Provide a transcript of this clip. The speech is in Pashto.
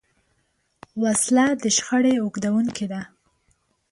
وسله د شخړې اوږدوونکې ده